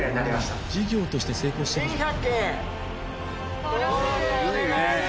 事業として成功してるじゃん。